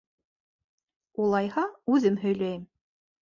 Улайһа, үҙем һөйләйем.